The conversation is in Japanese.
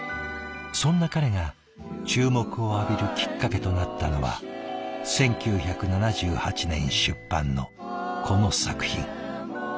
そんな彼が注目を浴びるきっかけとなったのは１９７８年出版のこの作品。